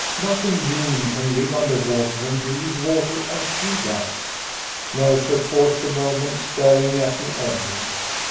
"Nothing human can live under water and breathe water, as she does!" Mercer paused a moment, staring at me oddly.